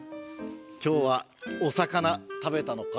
今日はお魚食べたのか？